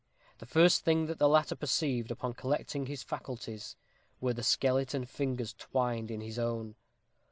The first thing that the latter perceived, upon collecting his faculties, were the skeleton fingers twined within his own.